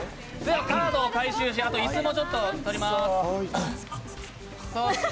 カードを回収しあと、椅子もちょっと取ります。